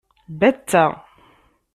Batta